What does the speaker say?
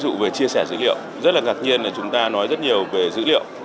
ví dụ về chia sẻ dữ liệu rất là ngạc nhiên là chúng ta nói rất nhiều về dữ liệu